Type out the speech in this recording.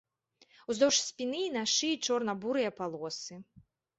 Уздоўж спіны і на шыі чорна-бурыя палосы.